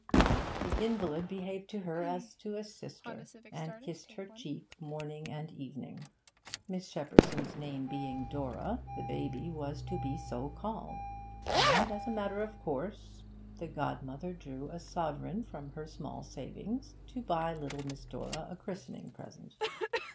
The invalid behaved to her as to a sister, and kissed her cheek morning and evening. Miss Shepperson's name being Dora, the baby was to be so called, and, as a matter of course, the godmother drew a sovereign from her small savings to buy little Miss Dora a christening present.